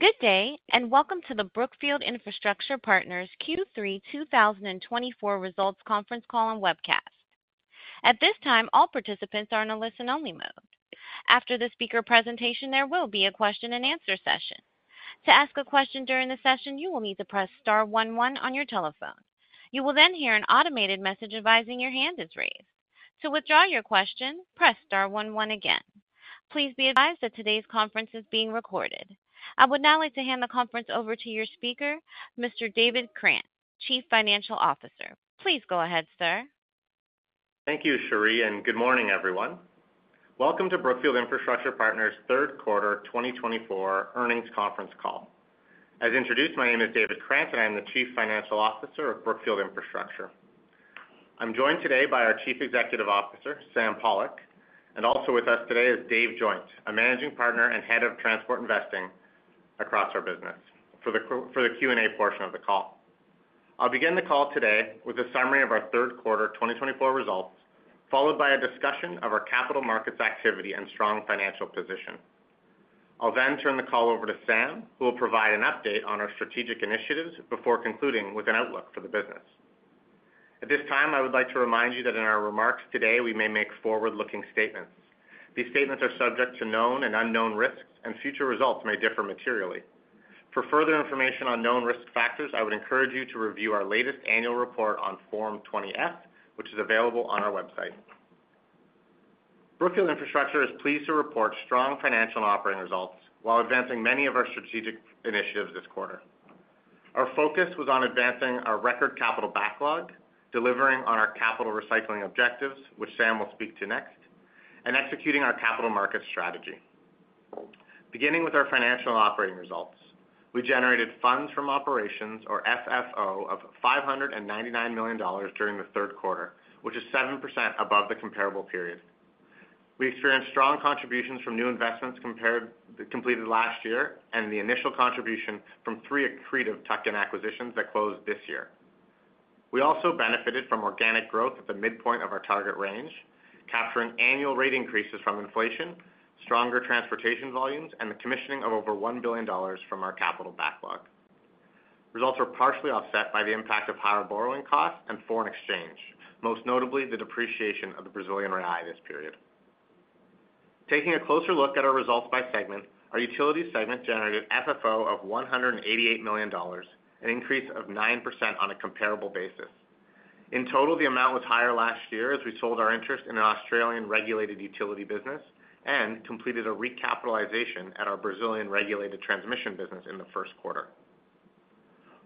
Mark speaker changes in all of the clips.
Speaker 1: Good day, and welcome to the Brookfield Infrastructure Partners Q3 2024 Results Conference Call and webcast. At this time, all participants are in a listen-only mode. After the speaker presentation, there will be a question-and-answer session. To ask a question during the session, you will need to press star one one on your telephone. You will then hear an automated message advising your hand is raised. To withdraw your question, press star one one again. Please be advised that today's conference is being recorded. I would now like to hand the conference over to your speaker, Mr. David Krant, Chief Financial Officer. Please go ahead, sir.
Speaker 2: Thank you, Cherie, and good morning, everyone. Welcome to Brookfield Infrastructure Partners' Third Quarter 2024 Earnings Conference Call. As introduced, my name is David Krant, and I'm the Chief Financial Officer of Brookfield Infrastructure. I'm joined today by our Chief Executive Officer, Sam Pollock, and also with us today is Dave Joynt, a Managing Partner and Head of Transport Investing across our business for the Q&A portion of the call. I'll begin the call today with a summary of our third quarter 2024 results, followed by a discussion of our capital markets activity and strong financial position. I'll then turn the call over to Sam, who will provide an update on our strategic initiatives before concluding with an outlook for the business. At this time, I would like to remind you that in our remarks today, we may make forward-looking statements. These statements are subject to known and unknown risks, and future results may differ materially. For further information on known risk factors, I would encourage you to review our latest annual report on Form 20-F, which is available on our website. Brookfield Infrastructure is pleased to report strong financial and operating results while advancing many of our strategic initiatives this quarter. Our focus was on advancing our record capital backlog, delivering on our capital recycling objectives, which Sam will speak to next, and executing our capital markets strategy. Beginning with our financial and operating results, we generated funds from operations, or FFO, of $599 million during the third quarter, which is 7% above the comparable period. We experienced strong contributions from new investments completed last year and the initial contribution from three accretive tuck-in acquisitions that closed this year. We also benefited from organic growth at the midpoint of our target range, capturing annual rate increases from inflation, stronger transportation volumes, and the commissioning of over $1 billion from our capital backlog. Results were partially offset by the impact of higher borrowing costs and foreign exchange, most notably the depreciation of the Brazilian real this period. Taking a closer look at our results by segment, our utilities segment generated FFO of $188 million, an increase of 9% on a comparable basis. In total, the amount was higher last year as we sold our interest in an Australian-regulated utility business and completed a recapitalization at our Brazilian-regulated transmission business in the first quarter.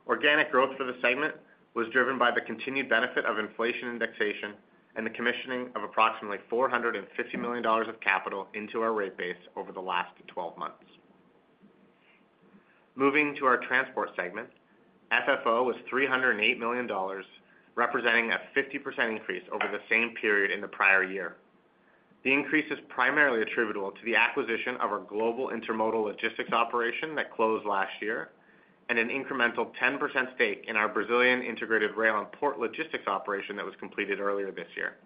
Speaker 2: Organic growth for the segment was driven by the continued benefit of inflation indexation and the commissioning of approximately $450 million of capital into our rate base over the last 12 months. Moving to our transport segment, FFO was $308 million, representing a 50% increase over the same period in the prior year. The increase is primarily attributable to the acquisition of our global intermodal logistics operation that closed last year and an incremental 10% stake in our Brazilian integrated rail and port logistics operation that was completed earlier this year.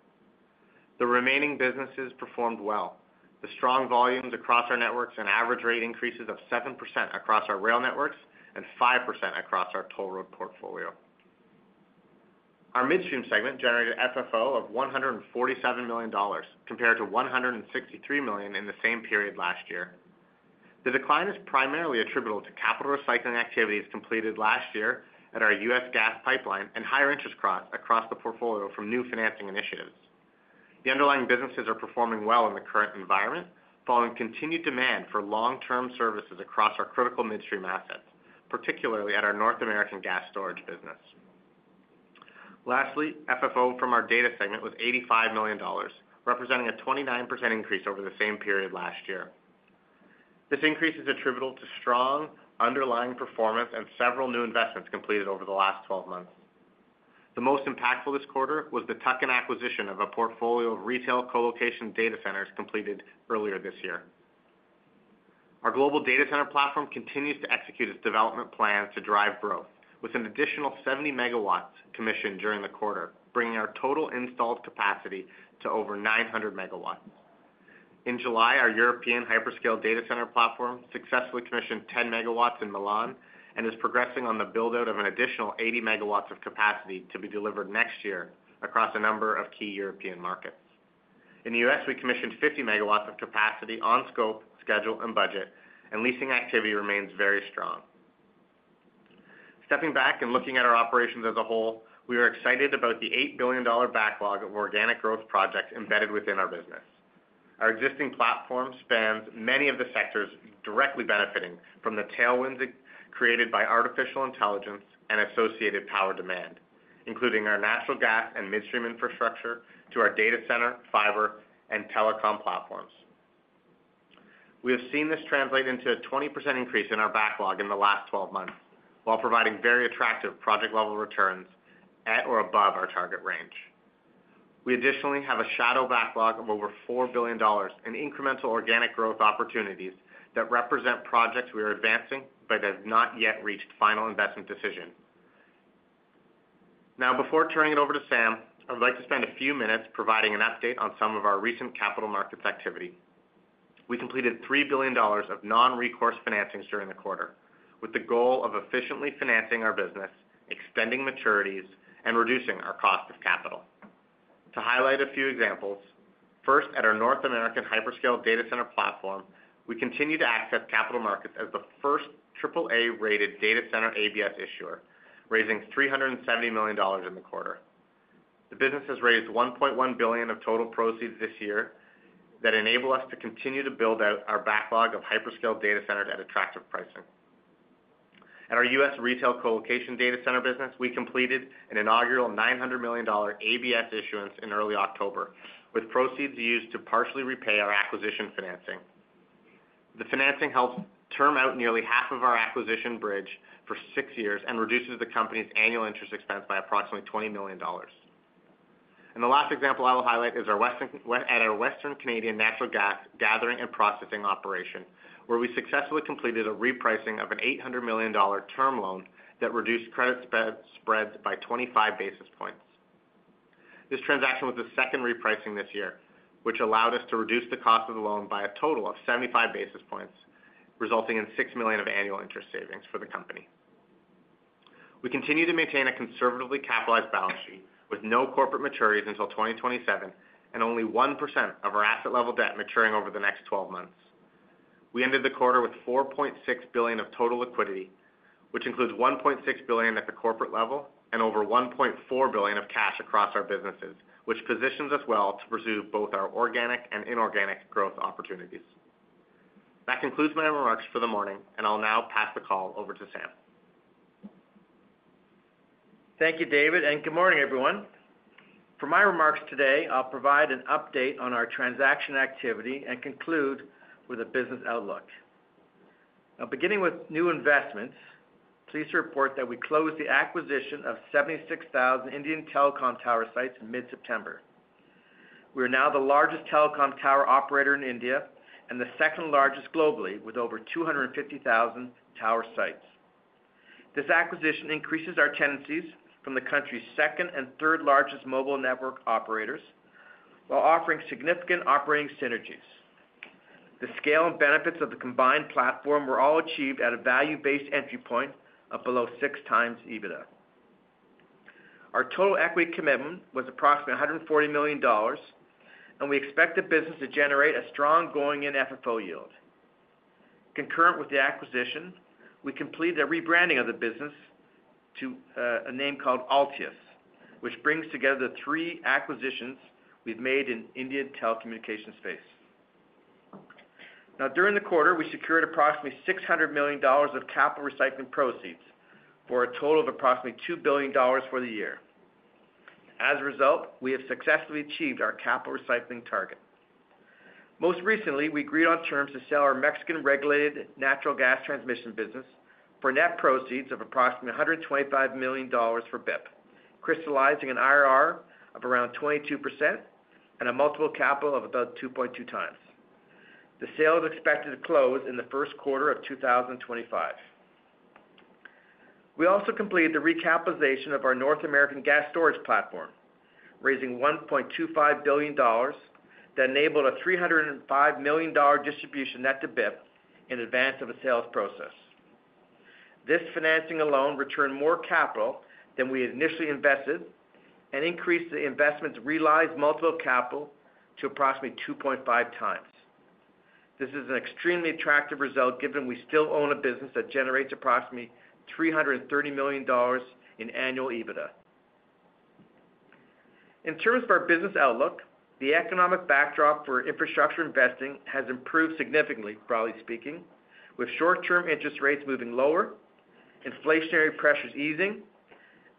Speaker 2: The remaining businesses performed well. The strong volumes across our networks and average rate increases of 7% across our rail networks and 5% across our toll road portfolio. Our midstream segment generated FFO of $147 million, compared to $163 million in the same period last year. The decline is primarily attributable to capital recycling activities completed last year at our U.S. gas pipeline and higher interest costs across the portfolio from new financing initiatives. The underlying businesses are performing well in the current environment, following continued demand for long-term services across our critical midstream assets, particularly at our North American gas storage business. Lastly, FFO from our data segment was $85 million, representing a 29% increase over the same period last year. This increase is attributable to strong underlying performance and several new investments completed over the last 12 months. The most impactful this quarter was the tuck-in acquisition of a portfolio of retail colocation data centers completed earlier this year. Our global data center platform continues to execute its development plans to drive growth, with an additional 70 megawatts commissioned during the quarter, bringing our total installed capacity to over 900 megawatts. In July, our European hyperscale data center platform successfully commissioned 10 megawatts in Milan and is progressing on the build-out of an additional 80 megawatts of capacity to be delivered next year across a number of key European markets. In the U.S., we commissioned 50 megawatts of capacity on scope, schedule, and budget, and leasing activity remains very strong. Stepping back and looking at our operations as a whole, we are excited about the $8 billion backlog of organic growth projects embedded within our business. Our existing platform spans many of the sectors directly benefiting from the tailwinds created by artificial intelligence and associated power demand, including our natural gas and midstream infrastructure to our data center, fiber, and telecom platforms. We have seen this translate into a 20% increase in our backlog in the last 12 months while providing very attractive project-level returns at or above our target range. We additionally have a shadow backlog of over $4 billion and incremental organic growth opportunities that represent projects we are advancing but have not yet reached final investment decision. Now, before turning it over to Sam, I would like to spend a few minutes providing an update on some of our recent capital markets activity. We completed $3 billion of non-recourse financings during the quarter, with the goal of efficiently financing our business, extending maturities, and reducing our cost of capital. To highlight a few examples, first, at our North American hyperscale data center platform, we continue to access capital markets as the first AAA-rated data center ABS issuer, raising $370 million in the quarter. The business has raised $1.1 billion of total proceeds this year that enable us to continue to build out our backlog of hyperscale data centers at attractive pricing. At our U.S. retail colocation data center business, we completed an inaugural $900 million ABS issuance in early October, with proceeds used to partially repay our acquisition financing. The financing helps term out nearly half of our acquisition bridge for six years and reduces the company's annual interest expense by approximately $20 million, and the last example I will highlight is our Western Canadian natural gas gathering and processing operation, where we successfully completed a repricing of an $800 million term loan that reduced credit spreads by 25 basis points. This transaction was the second repricing this year, which allowed us to reduce the cost of the loan by a total of 75 basis points, resulting in $6 million of annual interest savings for the company. We continue to maintain a conservatively capitalized balance sheet with no corporate maturities until 2027 and only 1% of our asset-level debt maturing over the next 12 months. We ended the quarter with $4.6 billion of total liquidity, which includes $1.6 billion at the corporate level and over $1.4 billion of cash across our businesses, which positions us well to pursue both our organic and inorganic growth opportunities. That concludes my remarks for the morning, and I'll now pass the call over to Sam.
Speaker 3: Thank you, David, and good morning, everyone. For my remarks today, I'll provide an update on our transaction activity and conclude with a business outlook. Now, beginning with new investments, please report that we closed the acquisition of 76,000 Indian telecom tower sites in mid-September. We are now the largest telecom tower operator in India and the second largest globally, with over 250,000 tower sites. This acquisition increases our tenancies from the country's second and third largest mobile network operators while offering significant operating synergies. The scale and benefits of the combined platform were all achieved at a value-based entry point of below six times EBITDA. Our total equity commitment was approximately $140 million, and we expect the business to generate a strong going-in FFO yield. Concurrent with the acquisition, we completed a rebranding of the business to a name called Altius, which brings together the three acquisitions we've made in India's telecommunication space. Now, during the quarter, we secured approximately $600 million of capital recycling proceeds for a total of approximately $2 billion for the year. As a result, we have successfully achieved our capital recycling target. Most recently, we agreed on terms to sell our Mexican-regulated natural gas transmission business for net proceeds of approximately $125 million for BIP, crystallizing an IRR of around 22% and a multiple of capital of about 2.2 times. The sale is expected to close in the first quarter of 2025. We also completed the recapitalization of our North American gas storage platform, raising $1.25 billion that enabled a $305 million distribution net to BIP in advance of the sales process. This financing alone returned more capital than we initially invested and increased the investment's realized multiple of capital to approximately 2.5 times. This is an extremely attractive result given we still own a business that generates approximately $330 million in annual EBITDA. In terms of our business outlook, the economic backdrop for infrastructure investing has improved significantly, broadly speaking, with short-term interest rates moving lower, inflationary pressures easing,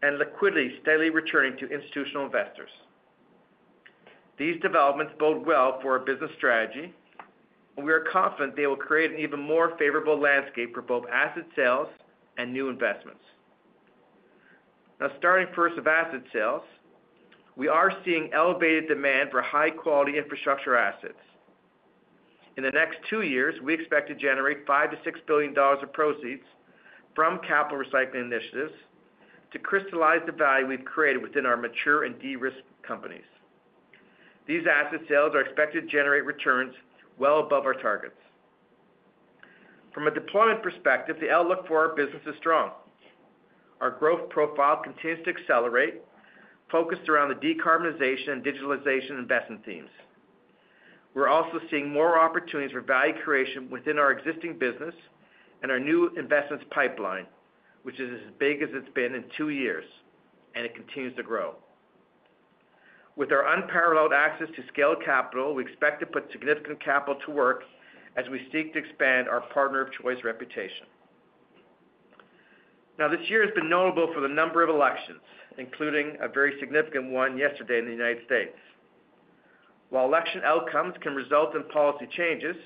Speaker 3: and liquidity steadily returning to institutional investors. These developments bode well for our business strategy, and we are confident they will create an even more favorable landscape for both asset sales and new investments. Now, starting first with asset sales, we are seeing elevated demand for high-quality infrastructure assets. In the next two years, we expect to generate $5-$6 billion of proceeds from capital recycling initiatives to crystallize the value we've created within our mature and de-risked companies. These asset sales are expected to generate returns well above our targets. From a deployment perspective, the outlook for our business is strong. Our growth profile continues to accelerate, focused around the decarbonization and digitalization investment themes. We're also seeing more opportunities for value creation within our existing business and our new investments pipeline, which is as big as it's been in two years, and it continues to grow. With our unparalleled access to scaled capital, we expect to put significant capital to work as we seek to expand our partner of choice reputation. Now, this year has been notable for the number of elections, including a very significant one yesterday in the United States. While election outcomes can result in policy changes,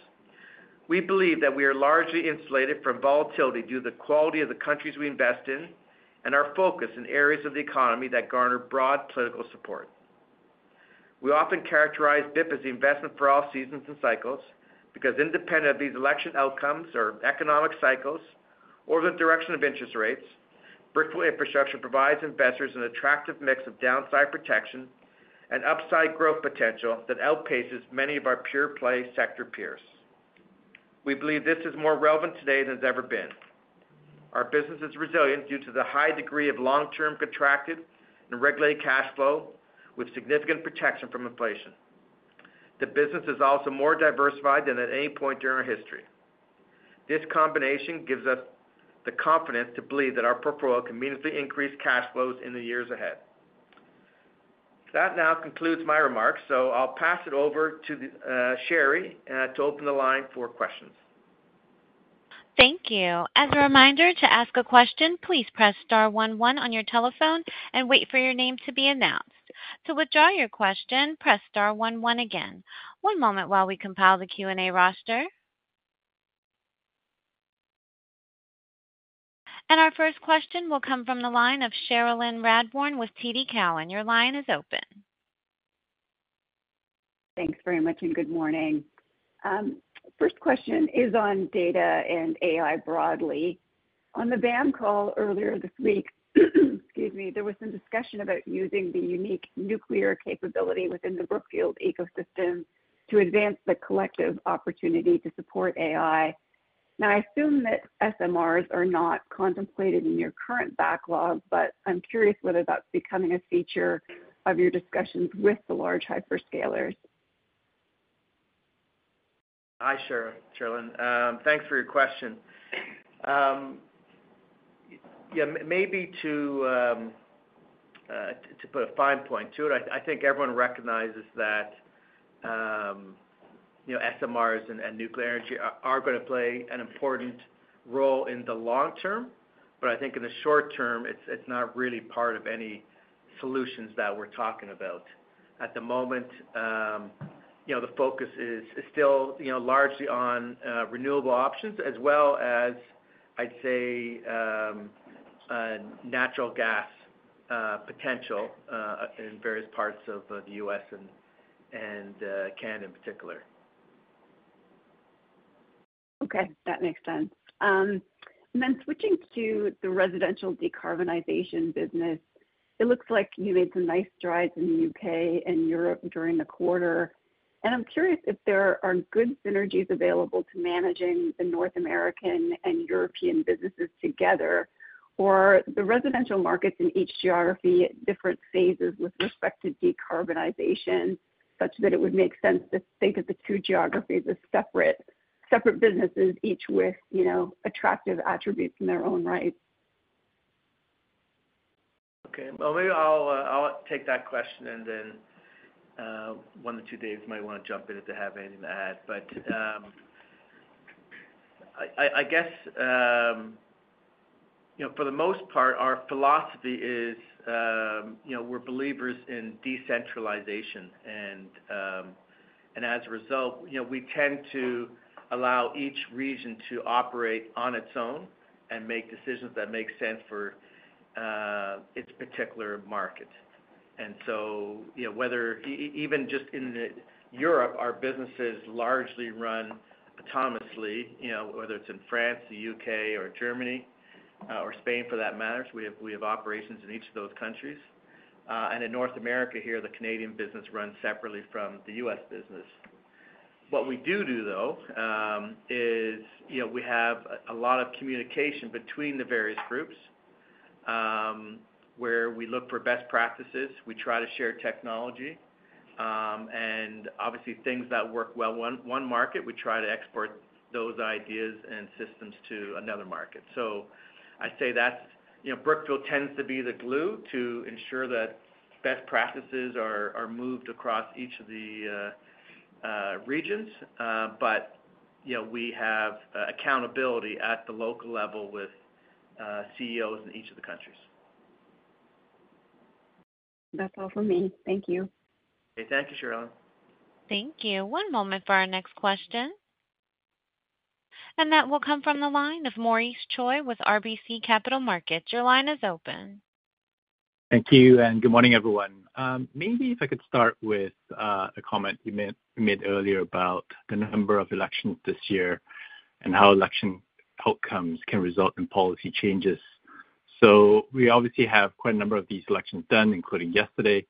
Speaker 3: we believe that we are largely insulated from volatility due to the quality of the countries we invest in and our focus in areas of the economy that garner broad political support. We often characterize BIP as the investment for all seasons and cycles because, independent of these election outcomes or economic cycles or the direction of interest rates, vital infrastructure provides investors an attractive mix of downside protection and upside growth potential that outpaces many of our pure-play sector peers. We believe this is more relevant today than it's ever been. Our business is resilient due to the high degree of long-term contracted and regulated cash flow, with significant protection from inflation. The business is also more diversified than at any point during our history. This combination gives us the confidence to believe that our portfolio can meaningfully increase cash flows in the years ahead. That now concludes my remarks, so I'll pass it over to Cherie to open the line for questions.
Speaker 1: Thank you. As a reminder, to ask a question, please press star one one on your telephone and wait for your name to be announced. To withdraw your question, press star one one again. One moment while we compile the Q&A roster. And our first question will come from the line of Cherilyn Radbourne with TD Cowen. Your line is open.
Speaker 4: Thanks very much and good morning. First question is on data and AI broadly. On the BAM call earlier this week, excuse me, there was some discussion about using the unique nuclear capability within the Brookfield ecosystem to advance the collective opportunity to support AI. Now, I assume that SMRs are not contemplated in your current backlog, but I'm curious whether that's becoming a feature of your discussions with the large hyperscalers.
Speaker 3: Hi, Cherilyn. Thanks for your question. Yeah, maybe to put a fine point to it, I think everyone recognizes that SMRs and nuclear energy are going to play an important role in the long term, but I think in the short term, it's not really part of any solutions that we're talking about. At the moment, the focus is still largely on renewable options as well as, I'd say, natural gas potential in various parts of the U.S. and Canada in particular.
Speaker 4: Okay, that makes sense. And then switching to the residential decarbonization business, it looks like you made some nice strides in the U.K. and Europe during the quarter. And I'm curious if there are good synergies available to managing the North American and European businesses together or the residential markets in each geography at different phases with respect to decarbonization, such that it would make sense to think of the two geographies as separate businesses, each with attractive attributes in their own right.
Speaker 3: Okay, well, maybe I'll take that question, and then one or two others might want to jump in if they have anything to add, but I guess, for the most part, our philosophy is we're believers in decentralization, and as a result, we tend to allow each region to operate on its own and make decisions that make sense for its particular market, and so whether even just in Europe, our businesses largely run autonomously, whether it's in France, the UK, or Germany, or Spain for that matter, we have operations in each of those countries, and in North America here, the Canadian business runs separately from the US business. What we do do, though, is we have a lot of communication between the various groups where we look for best practices. We try to share technology and obviously things that work well in one market. We try to export those ideas and systems to another market. So I say that Brookfield tends to be the glue to ensure that best practices are moved across each of the regions, but we have accountability at the local level with CEOs in each of the countries.
Speaker 4: That's all for me. Thank you.
Speaker 3: Okay, thank you, Cherilyn.
Speaker 1: Thank you. One moment for our next question. And that will come from the line of Maurice Choy with RBC Capital Markets. Your line is open.
Speaker 5: Thank you and good morning, everyone. Maybe if I could start with a comment you made earlier about the number of elections this year and how election outcomes can result in policy changes. So we obviously have quite a number of these elections done, including yesterday.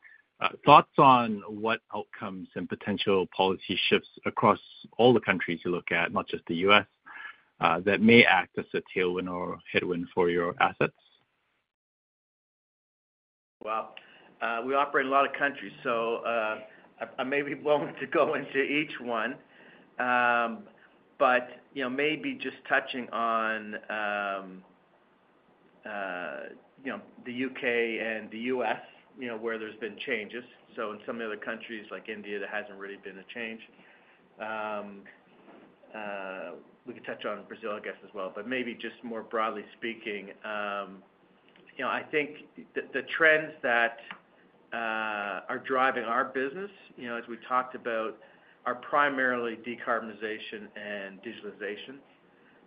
Speaker 5: Thoughts on what outcomes and potential policy shifts across all the countries you look at, not just the U.S., that may act as a tailwind or headwind for your assets?
Speaker 3: We operate in a lot of countries, so I may be wanting to go into each one, but maybe just touching on the UK and the US where there's been changes. In some of the other countries like India, there hasn't really been a change. We could touch on Brazil, I guess, as well, but maybe just more broadly speaking, I think the trends that are driving our business, as we talked about, are primarily decarbonization and digitalization.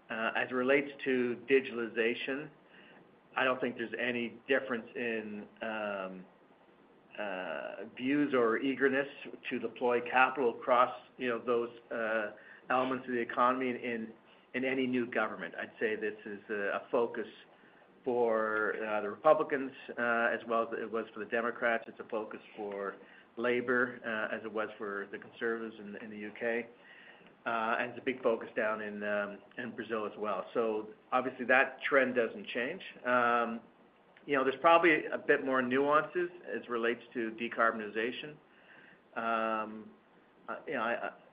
Speaker 3: As it relates to digitalization, I don't think there's any difference in views or eagerness to deploy capital across those elements of the economy in any new government. I'd say this is a focus for the Republicans as well as it was for the Democrats. It's a focus for Labour as it was for the Conservatives in the UK, and it's a big focus down in Brazil as well. So obviously, that trend doesn't change. There's probably a bit more nuances as it relates to decarbonization.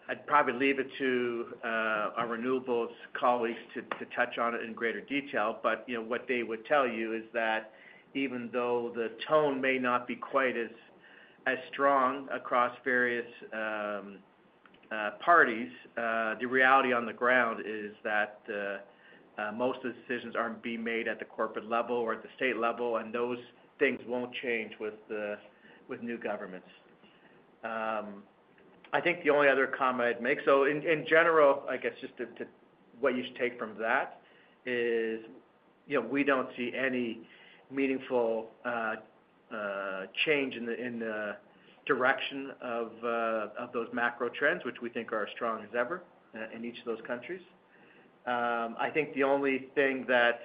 Speaker 3: I'd probably leave it to our renewables colleagues to touch on it in greater detail, but what they would tell you is that even though the tone may not be quite as strong across various parties, the reality on the ground is that most of the decisions are being made at the corporate level or at the state level, and those things won't change with new governments. I think the only other comment I'd make, so in general, I guess just what you should take from that is we don't see any meaningful change in the direction of those macro trends, which we think are as strong as ever in each of those countries. I think the only thing that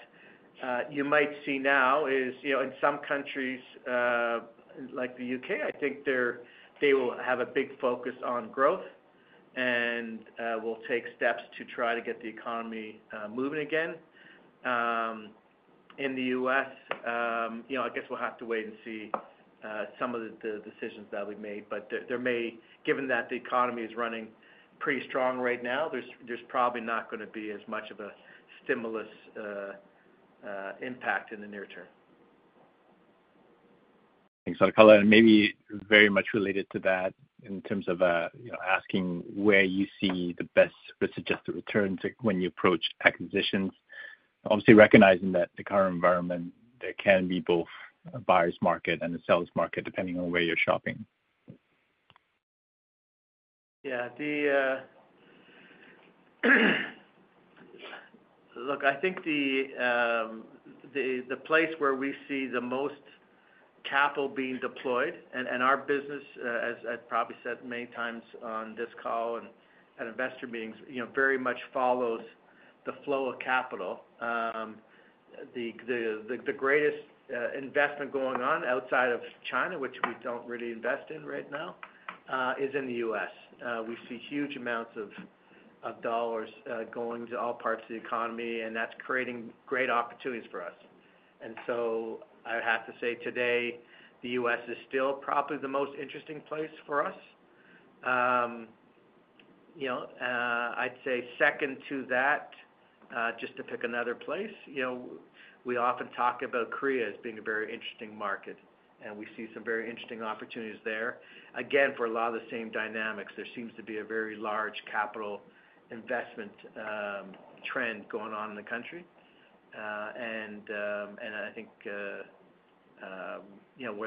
Speaker 3: you might see now is in some countries like the U.K., I think they will have a big focus on growth and will take steps to try to get the economy moving again. In the U.S., I guess we'll have to wait and see some of the decisions that we've made, but given that the economy is running pretty strong right now, there's probably not going to be as much of a stimulus impact in the near term.
Speaker 5: Thanks Sam. A follow-up and maybe very much related to that in terms of asking where you see the best risk-adjusted returns when you approach acquisitions, obviously recognizing that the current environment, there can be both a buyer's market and a seller's market depending on where you're shopping.
Speaker 3: Yeah, look, I think the place where we see the most capital being deployed, and our business, as I've probably said many times on this call and at investor meetings, very much follows the flow of capital. The greatest investment going on outside of China, which we don't really invest in right now, is in the U.S. We see huge amounts of dollars going to all parts of the economy, and that's creating great opportunities for us, and so I'd have to say today the U.S. is still probably the most interesting place for us. I'd say second to that, just to pick another place, we often talk about Korea as being a very interesting market, and we see some very interesting opportunities there. Again, for a lot of the same dynamics, there seems to be a very large capital investment trend going on in the country. I think where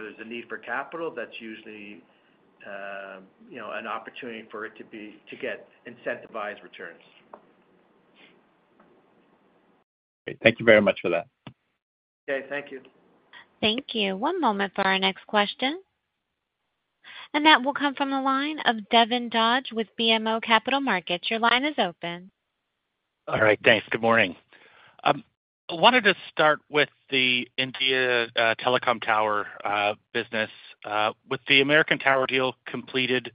Speaker 3: there's a need for capital, that's usually an opportunity for it to get incentivized returns.
Speaker 5: Great. Thank you very much for that.
Speaker 3: Okay, thank you.
Speaker 1: Thank you. One moment for our next question, and that will come from the line of Devin Dodge with BMO Capital Markets. Your line is open.
Speaker 6: All right, thanks. Good morning. I wanted to start with the India telecom tower business. With the American Tower deal completed,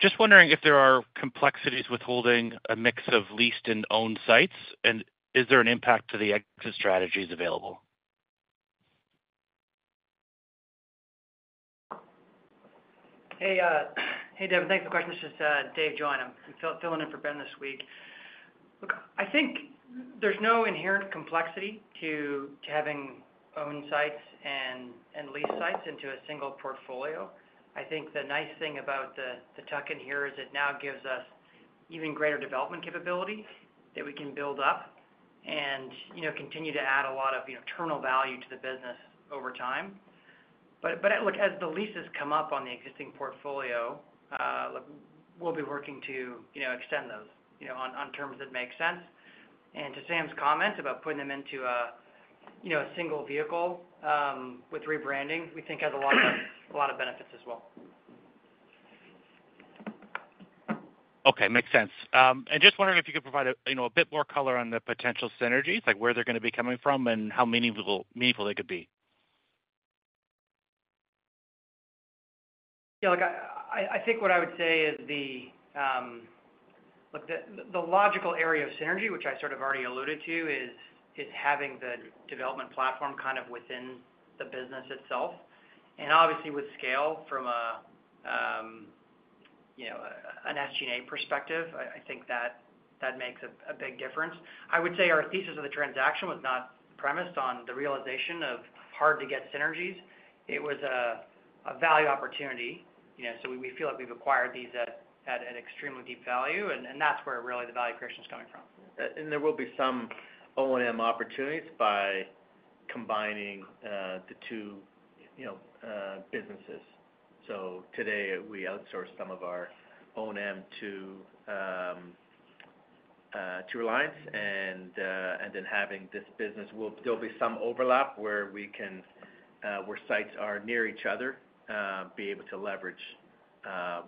Speaker 6: just wondering if there are complexities with holding a mix of leased and owned sites, and is there an impact to the exit strategies available?
Speaker 7: Hey, Devin, thanks for the question. This is Dave Joynt. I'm filling in for Ben this week. Look, I think there's no inherent complexity to having owned sites and leased sites into a single portfolio. I think the nice thing about the tuck-in here is it now gives us even greater development capability that we can build up and continue to add a lot of terminal value to the business over time. But look, as the leases come up on the existing portfolio, we'll be working to extend those on terms that make sense. And to Sam's comments about putting them into a single vehicle with rebranding, we think has a lot of benefits as well.
Speaker 6: Okay, makes sense. And just wondering if you could provide a bit more color on the potential synergies, like where they're going to be coming from and how meaningful they could be?
Speaker 7: Yeah, look, I think what I would say is the logical area of synergy, which I sort of already alluded to, is having the development platform kind of within the business itself. And obviously, with scale from an SG&A perspective, I think that makes a big difference. I would say our thesis of the transaction was not premised on the realization of hard-to-get synergies. It was a value opportunity. So we feel like we've acquired these at extremely deep value, and that's where really the value creation is coming from.
Speaker 3: There will be some O&M opportunities by combining the two businesses. Today, we outsource some of our O&M to Reliance, and then having this business, there'll be some overlap where sites are near each other, be able to leverage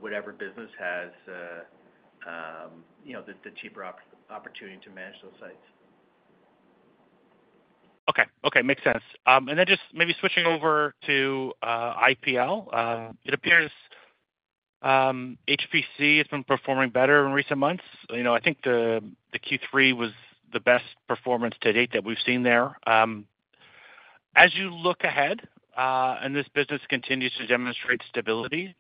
Speaker 3: whatever business has the cheaper opportunity to manage those sites.
Speaker 6: Okay, okay. Makes sense. And then just maybe switching over to IPL. It appears HPC has been performing better in recent months. I think the Q3 was the best performance to date that we've seen there. As you look ahead and this business continues to demonstrate stability,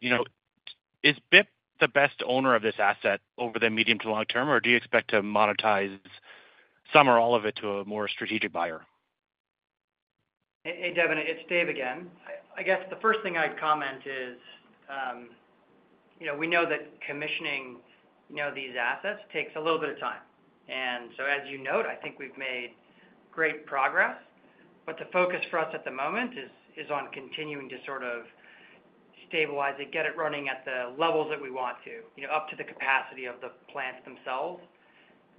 Speaker 6: is BIP the best owner of this asset over the medium to long term, or do you expect to monetize some or all of it to a more strategic buyer?
Speaker 7: Hey, Devin, it's Dave again. I guess first thing I'd comment is we know that commissioning these assets takes a little bit of time, and so as you note, I think we've made great progress, but the focus for us at the moment is on continuing to sort of stabilize it, get it running at the levels that we want to, up to the capacity of the plants themselves.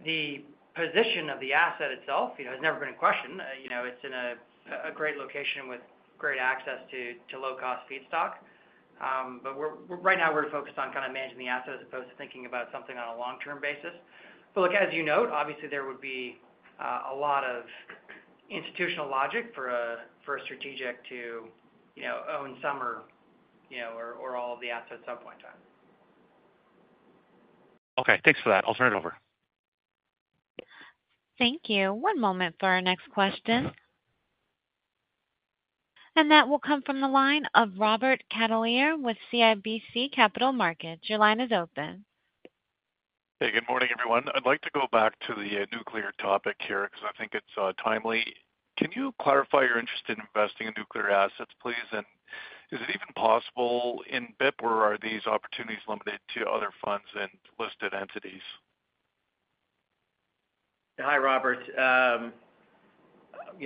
Speaker 7: The position of the asset itself has never been in question. It's in a great location with great access to low-cost feedstock, but right now, we're focused on kind of managing the asset as opposed to thinking about something on a long-term basis. Look, as you note, obviously, there would be a lot of institutional logic for a strategic to own some or all of the assets at some point in time.
Speaker 6: Okay, thanks for that. I'll turn it over.
Speaker 1: Thank you. One moment for our next question, and that will come from the line of Robert Catellier with CIBC Capital Markets. Your line is open.
Speaker 8: Hey, good morning, everyone. I'd like to go back to the nuclear topic here because I think it's timely. Can you clarify your interest in investing in nuclear assets, please? And is it even possible in BIP, or are these opportunities limited to other funds and listed entities?
Speaker 3: Hi, Robert. Well,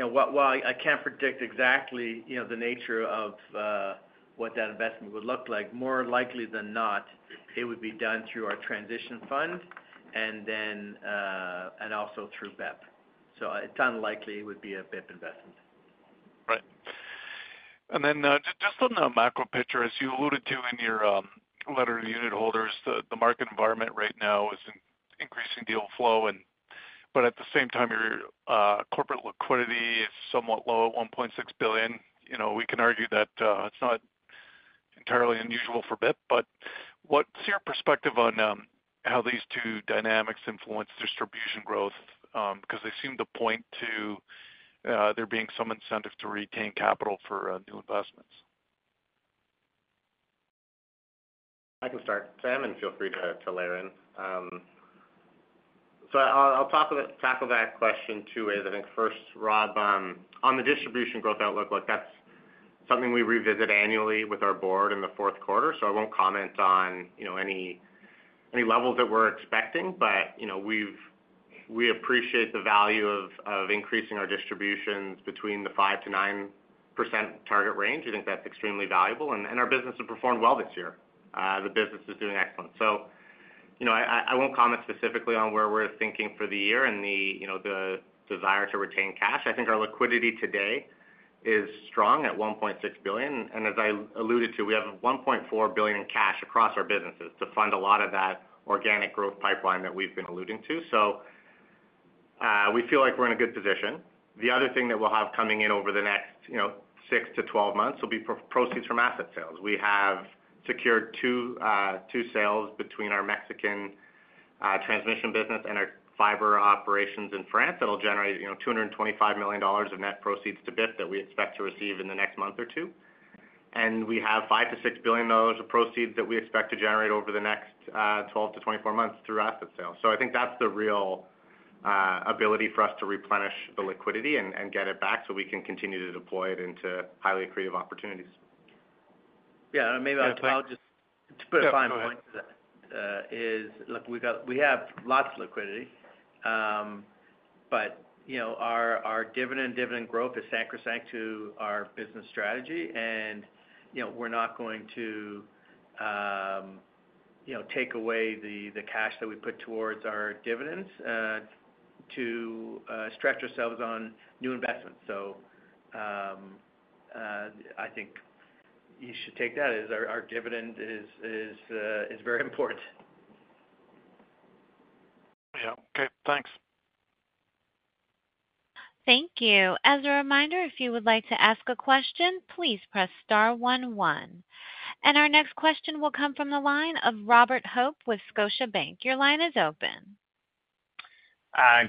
Speaker 3: I can't predict exactly the nature of what that investment would look like. More likely than not, it would be done through our transition fund and also through BEP. So it's unlikely it would be a BIP investment.
Speaker 8: Right. And then just on the macro picture, as you alluded to in your letter to unit holders, the market environment right now is an increasing deal flow, but at the same time, your corporate liquidity is somewhat low at $1.6 billion. We can argue that it's not entirely unusual for BIP, but what's your perspective on how these two dynamics influence distribution growth? Because they seem to point to there being some incentive to retain capital for new investments.
Speaker 2: I can start. Sam, and feel free to layer in. So I'll tackle that question two ways. I think first, Rob, on the distribution growth outlook, that's something we revisit annually with our board in the fourth quarter. So I won't comment on any levels that we're expecting, but we appreciate the value of increasing our distributions between the 5%-9% target range. We think that's extremely valuable. And our business has performed well this year. The business is doing excellent. So I won't comment specifically on where we're thinking for the year and the desire to retain cash. I think our liquidity today is strong at $1.6 billion. And as I alluded to, we have $1.4 billion in cash across our businesses to fund a lot of that organic growth pipeline that we've been alluding to. So we feel like we're in a good position. The other thing that we'll have coming in over the next six to 12 months will be proceeds from asset sales. We have secured two sales between our Mexican transmission business and our fiber operations in France that'll generate $225 million of net proceeds to BIP that we expect to receive in the next month or two. And we have $5-$6 billion of proceeds that we expect to generate over the next 12-24 months through asset sales. So I think that's the real ability for us to replenish the liquidity and get it back so we can continue to deploy it into highly creative opportunities.
Speaker 3: Yeah, and maybe I'll just put a fine point to that. Look, we have lots of liquidity, but our dividend growth is sacrosanct to our business strategy, and we're not going to take away the cash that we put towards our dividends to stretch ourselves on new investments. So I think you should take that as our dividend is very important.
Speaker 8: Yeah. Okay, thanks.
Speaker 1: Thank you. As a reminder, if you would like to ask a question, please press star 11. And our next question will come from the line of Robert Hope with Scotiabank. Your line is open.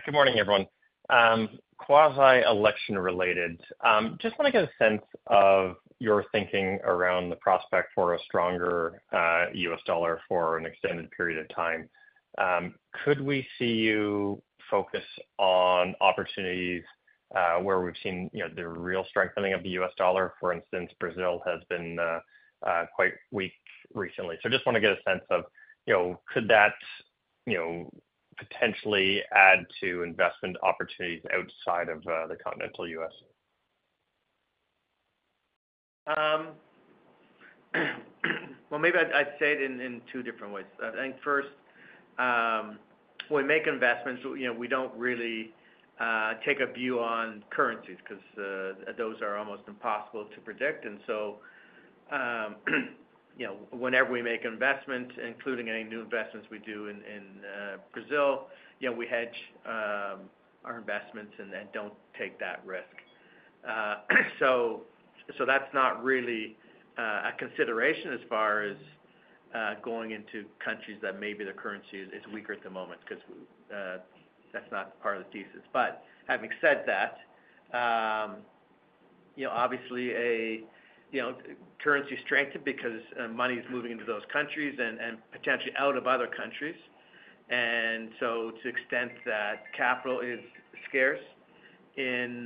Speaker 9: Good morning, everyone. Post-election related, just want to get a sense of your thinking around the prospect for a stronger U.S. dollar for an extended period of time. Could we see you focus on opportunities where we've seen the real strengthening of the U.S. dollar? For instance, Brazil has been quite weak recently. So I just want to get a sense of could that potentially add to investment opportunities outside of the continental U.S.?
Speaker 3: Maybe I'd say it in two different ways. I think first, when we make investments, we don't really take a view on currencies because those are almost impossible to predict, and so whenever we make investments, including any new investments we do in Brazil, we hedge our investments and don't take that risk, so that's not really a consideration as far as going into countries that maybe the currency is weaker at the moment because that's not part of the thesis, but having said that, obviously, currency strengthens because money is moving into those countries and potentially out of other countries, and so to the extent that capital is scarce in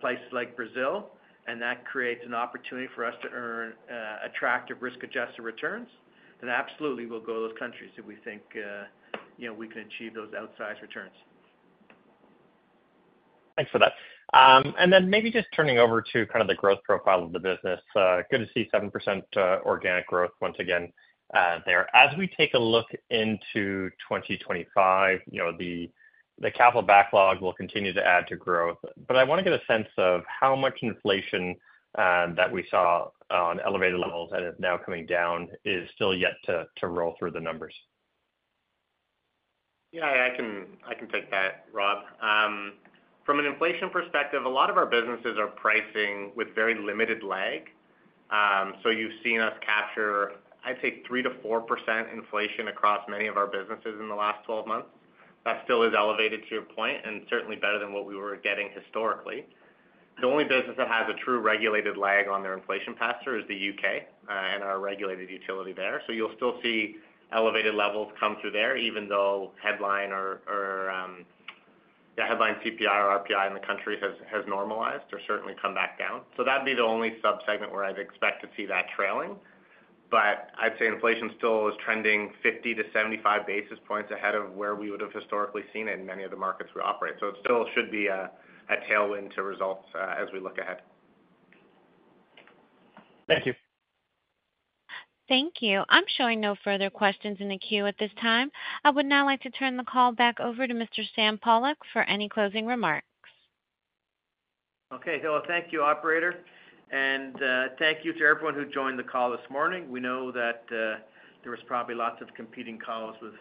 Speaker 3: places like Brazil, and that creates an opportunity for us to earn attractive risk-adjusted returns, then absolutely we'll go to those countries if we think we can achieve those outsized returns.
Speaker 9: Thanks for that, and then maybe just turning over to kind of the growth profile of the business. Good to see 7% organic growth once again there. As we take a look into 2025, the capital backlog will continue to add to growth. But I want to get a sense of how much inflation that we saw on elevated levels and is now coming down is still yet to roll through the numbers.
Speaker 3: Yeah, I can take that, Rob. From an inflation perspective, a lot of our businesses are pricing with very limited lag. So you've seen us capture, I'd say, 3%-4% inflation across many of our businesses in the last 12 months. That still is elevated to your point and certainly better than what we were getting historically. The only business that has a true regulated lag on their inflation pass-through is the U.K. and our regulated utility there. So you'll still see elevated levels come through there, even though headline CPI or RPI in the country has normalized or certainly come back down. So that'd be the only subsegment where I'd expect to see that trailing. But I'd say inflation still is trending 50-75 basis points ahead of where we would have historically seen it in many of the markets we operate. It still should be a tailwind to results as we look ahead.
Speaker 9: Thank you.
Speaker 1: Thank you. I'm showing no further questions in the queue at this time. I would now like to turn the call back over to Mr. Sam Pollock for any closing remarks.
Speaker 3: Okay, hello, thank you, operator. Thank you to everyone who joined the call this morning. We know that there were probably lots of competing calls with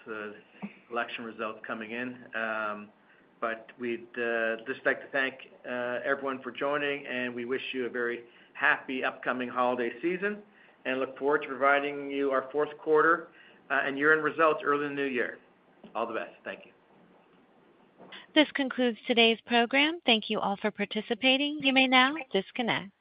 Speaker 3: election results coming in, but we'd just like to thank everyone for joining, and we wish you a very happy upcoming holiday season and look forward to providing you our fourth quarter and year-end results early in the new year. All the best. Thank you.
Speaker 1: This concludes today's program. Thank you all for participating. You may now disconnect.